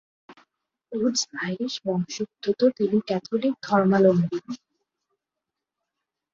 Woods Irish বংশোদ্ভূত এবং তিনি ক্যাথলিক ধর্মাবলম্বী।